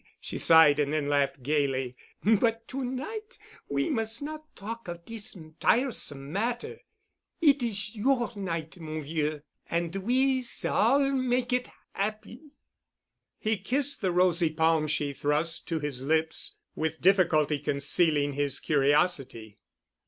She sighed and then laughed gayly. "But to night we mus' not talk of dis tiresome matter. It is your night, mon vieux, and we s'all make it 'appy." He kissed the rosy palm she thrust to his lips, with difficulty concealing his curiosity.